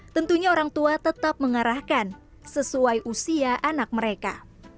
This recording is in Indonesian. tentunya orang tua tetap mengarahkan sesuai usia anak mereka